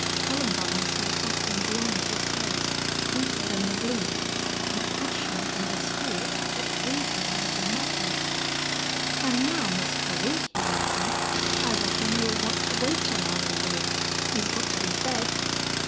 Columbine saw something beyond his face, deeper than the gloom, a passion and a spirit that drew her like a magnet. "An' now, Miss Collie," he went on, "I reckon you'll want to wait on our invalid. He's got to be fed."